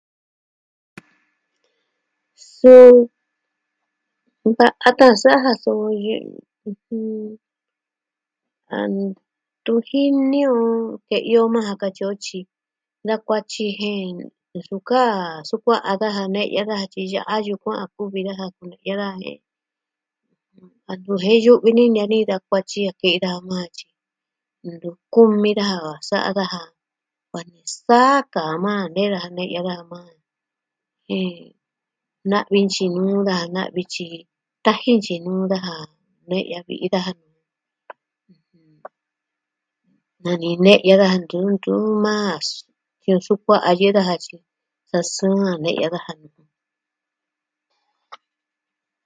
Suu, nta'an a ta'an sa ja so yɨ... ah... ntu jini o. Ke'en yo maa ja katyi o tyi da kuaty jen... suu kaa sukua'a daja, ne'ya daja tyi ya'a yukuan a kuvi daja kune'ya daa jen... a ntu je yu'vi ni nee ni da kuatyi a kɨ'ɨn da maa tyi ntu kumi daja, sa'a daja va ni saa ka maa nee daja ne'ya daja maa. jen... Na'vi ntyi nuu daa na vi tyi... taji ntyi nuu daja ne'ya vi iin daja nuu nu. Da ni ne'ya daja ntɨɨn tɨɨn maa. jen sukuan a yɨɨ daja sa sɨɨn tyi a ne'ya daja nuu kuu.